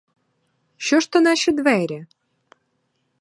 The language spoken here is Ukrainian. Що ж то наші двері?